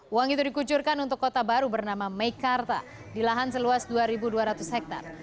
uang itu dikucurkan untuk kota baru bernama meikarta di lahan seluas dua dua ratus hektare